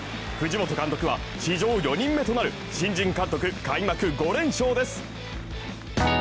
藤本監督は史上４人目となる新人監督開幕５連勝です。